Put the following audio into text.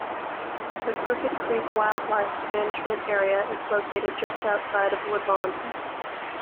The Crooked Creek Wildlife Management Area is located just outside of Woodlawn.